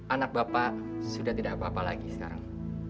anak bapak sudah tidak apa apa lagi sekarang